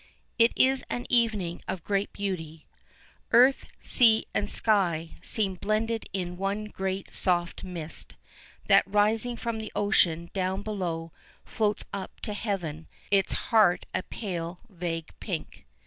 It is an evening of great beauty. Earth, sea, and sky seem blended in one great soft mist, that rising from the ocean down below floats up to heaven, its heart a pale, vague pink.